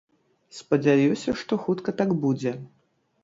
Спадзяюся, што хутка так будзе.